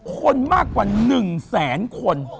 คนมากกว่า๑แสนคน